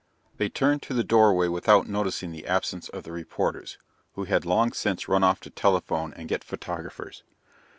They turned to the doorway without noticing the absence of the reporters, who had long since run off to telephone and get photographers.